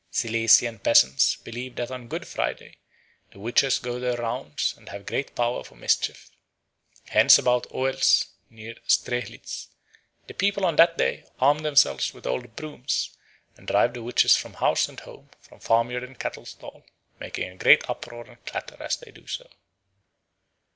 Silesian peasants believe that on Good Friday the witches go their rounds and have great power for mischief. Hence about Oels, near Strehlitz, the people on that day arm themselves with old brooms and drive the witches from house and home, from farmyard and cattle stall, making a great uproar and clatter as they do so.